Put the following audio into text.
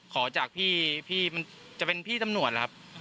ขอจากพี่มันจะเป็นพี่ตำรวจล่ะครับ